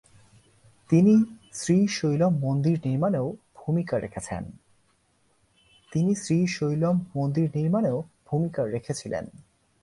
তিনি শ্রীশৈলম মন্দির নির্মাণেও ভূমিকা রেখেছিলেন।